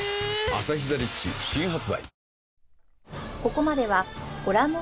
「アサヒザ・リッチ」新発売